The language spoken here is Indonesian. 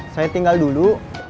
saya tinggal dulu